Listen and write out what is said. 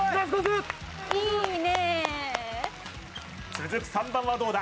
続く３番はどうだ？